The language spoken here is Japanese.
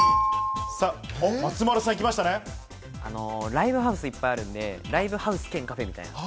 ライブハウスいっぱいあるんで、ライブハウス兼カフェみたいな。